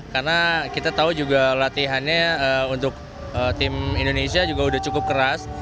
karena kita tahu juga latihannya untuk tim indonesia juga udah cukup keras